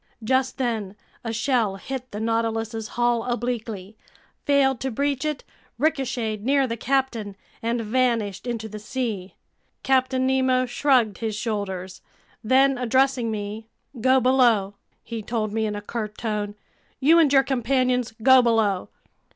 Just then a shell hit the Nautilus's hull obliquely, failed to breach it, ricocheted near the captain, and vanished into the sea. Captain Nemo shrugged his shoulders. Then, addressing me: "Go below!" he told me in a curt tone. "You and your companions, go below!"